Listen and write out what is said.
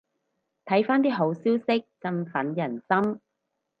睇返啲好消息振奮人心